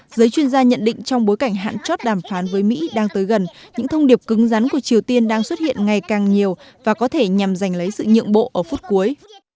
giới chuyên gia nhận định trong bối cảnh hạn chót đàm phán với mỹ đang tới gần những thông điệp cứng rắn của triều tiên đang xuất hiện ngày càng nhiều và có thể nhằm giành lấy sự nhượng bộ ở phút cuối